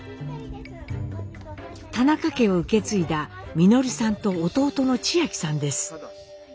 田中家を受け継いだ稔さんと弟の千秋さんです。